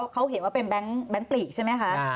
เขาเห็นว่าเป็นแบงค์ปลีกใช่ไหมคะ